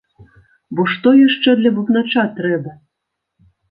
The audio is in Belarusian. Бо што яшчэ для бубнача трэба?